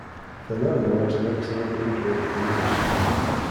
Fernando was an excellent reader of the news.